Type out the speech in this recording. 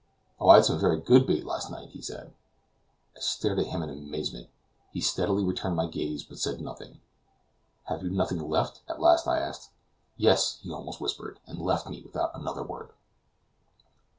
"Oh, I had some very good bait last night," he said. I stared at him in amazement. He steadily returned my gaze, but said nothing. "Have you none left?" at last I asked. "Yes!" he almost whispered, and left me without another word.